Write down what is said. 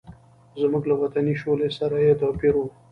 زموږ له وطني شولې سره یې توپیر و.